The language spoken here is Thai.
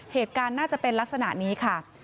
เหตุการณ์น่าจะเป็นลักษณะนี้ค่ะ